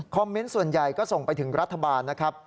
เมนต์ส่วนใหญ่ก็ส่งไปถึงรัฐบาลนะครับ